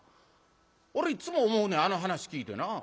俺いっつも思うねんあの噺聴いてな。